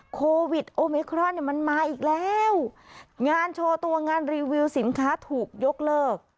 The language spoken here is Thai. โควิดโอมิครอนเนี่ยมันมาอีกแล้วงานโชว์ตัวงานรีวิวสินค้าถูกยกเลิก